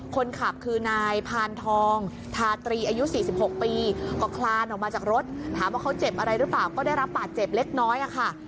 คนขับคือนายพานทองทาตรีอายุ๔๖ปีก็คลานออกมาจากรถถามว่าเขาเจ็บอะไรหรือเปล่าก็ได้รับบาดเจ็บเล็กน้อยค่ะ